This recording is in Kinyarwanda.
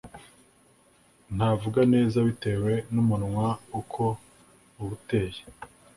ntavuga neza bitewe n’umunwa uko uba uteye